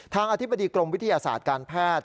อธิบดีกรมวิทยาศาสตร์การแพทย์